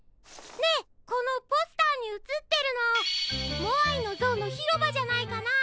ねえこのポスターにうつってるのモアイのぞうのひろばじゃないかな？